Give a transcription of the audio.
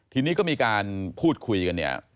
ทีนี้ก็มีการพูดคุยกันเนี่ย